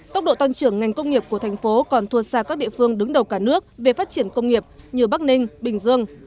tốc độ tăng trưởng ngành công nghiệp của thành phố còn thua xa các địa phương đứng đầu cả nước về phát triển công nghiệp như bắc ninh bình dương